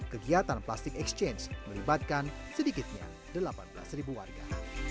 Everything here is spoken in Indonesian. kegiatan plastik exchange melibatkan sedikitnya delapan belas warga